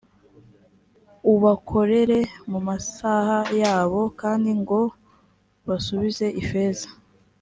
ubakorere mu masaho yabo kandi ngo basubize ifeza